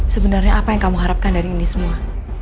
sebenarnya apa yang kamu harapkan dari ini semua